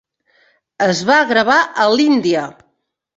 Es va gravar a l'Índia.